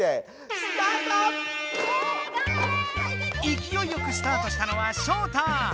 いきおいよくスタートしたのはショウタ！